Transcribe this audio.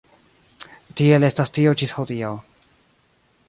Tiel estas tio ĝis hodiaŭ.